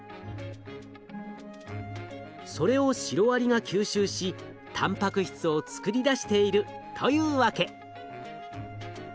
それをシロアリが吸収したんぱく質を作り出しているというわけ。